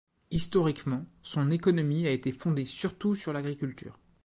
Historiquement son économie a été fondée surtout sur l'agriculture.